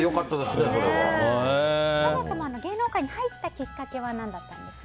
そもそも芸能界に入ったきっかけは何だったんですか？